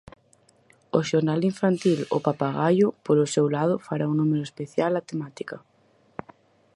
O xornal infantil O Papagaio, polo seu lado, fará un número especial a temática.